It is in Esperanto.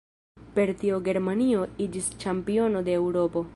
Per tio Germanio iĝis ĉampiono de Eŭropo.